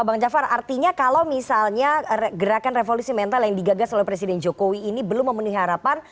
bang jafar artinya kalau misalnya gerakan revolusi mental yang digagas oleh presiden jokowi ini belum memenuhi harapan